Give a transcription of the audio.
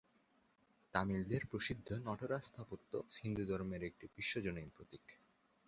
তামিলদের প্রসিদ্ধ নটরাজ স্থাপত্য হিন্দুধর্মের একটি বিশ্বজনীন প্রতীক।